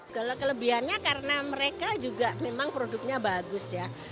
kalau kelebihannya karena mereka juga memang produknya bagus ya